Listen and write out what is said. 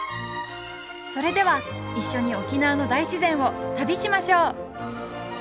それでは一緒に沖縄の大自然を旅しましょう！